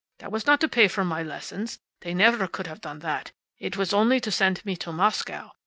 That was not to pay for my lessons. They never could have done that. It was only to send me to Moscow.